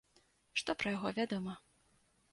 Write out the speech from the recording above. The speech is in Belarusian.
Што пра яго вядома?